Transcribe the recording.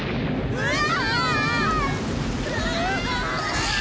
うわ！